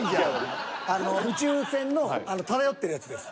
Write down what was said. あの宇宙船の漂ってるやつです。